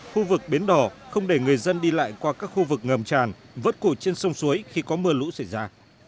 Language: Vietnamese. khu vực bến đỏ không để người dân đi lại qua các khu vực ngầm tràn vớt củi trên sông suối khi có mưa lũ xảy ra